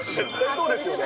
そうですよね。